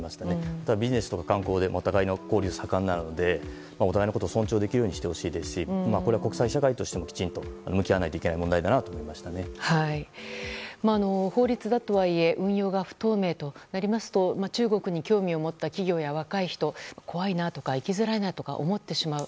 ただビジネスとか観光で交流が盛んなのでお互いのことを尊重できるようにしてほしいですしこれは国際社会としてもきちんと向き合わなきゃいけない法律だとはいえ運用が不透明となりますと中国に興味を持った企業や若い人怖いなとか生きづらいなとか思ってしまう。